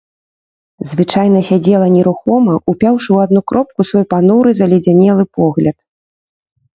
Звычайна сядзела нерухома, упяўшы ў адну кропку свой пануры заледзянелы погляд.